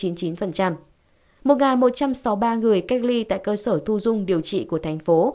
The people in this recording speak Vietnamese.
một một trăm sáu mươi ba người cách ly tại cơ sở thu dung điều trị của thành phố